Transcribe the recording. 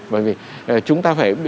bởi vì chúng ta phải